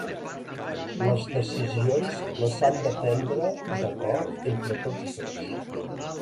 Les decisions, les han de prendre d’acord entre tots dos.